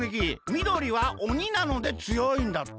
みどりはおになのでつよい」んだって。